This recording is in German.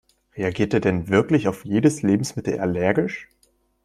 Reagiert er denn wirklich auf jedes Lebensmittel allergisch?